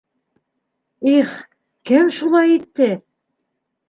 —Их, кем шулай итте?